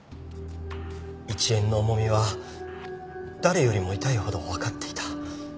１円の重みは誰よりも痛いほどわかっていた。